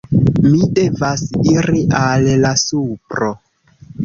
Mi devas iri al la supro